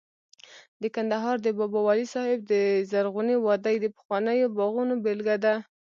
د کندهار د بابا ولی صاحب د زرغونې وادۍ د پخوانیو باغونو بېلګه ده